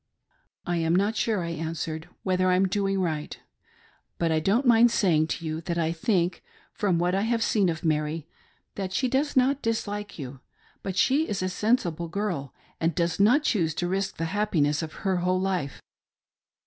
"I am not sure," I answered, "whether I am doing right; but I don't mind saying to you that I think, from what I have seen of Mary, that she does not dislike you ; but she is a sen sible girl, and does not choose to risk the happiness of her whole life."